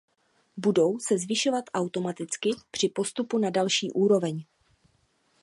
Budou se zvyšovat automaticky při postupu na další úroveň.